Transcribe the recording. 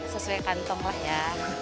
sesuai kantong lah ya